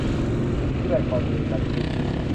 พิไลพร เวียงจันทึก